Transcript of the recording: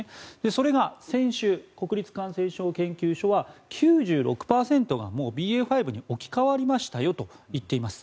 それが先週国立感染症研究所は９６％がもうＢＡ．５に置き換わりましたよと言っています。